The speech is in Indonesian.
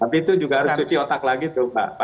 tapi itu juga harus cuci otak lagi tuh mbak